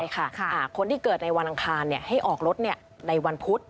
คนที่เกิดในวันอังคารให้ออกรถในวันพุธ